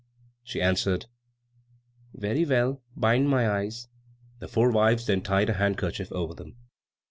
She answered, "Very well, bind my eyes." The four wives then tied a handkerchief over them.